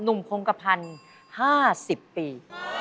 หนุ่มโครงกระพันค์๕๐ปี